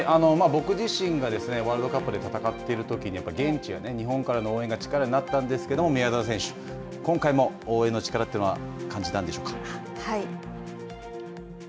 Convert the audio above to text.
僕自身がですね、ワールドカップで戦っているときに、現地や日本からの応援が力になったんですけれども、宮澤選手、今回も応援の力というのは感じたんでしょうかはい。